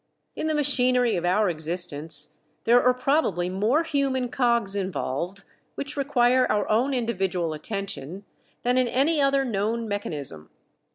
In the machinery of our existence there are probably more human cogs involved, which require our own individual attention, than in any other known mechanism.